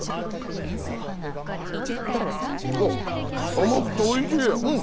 甘くておいしいやん！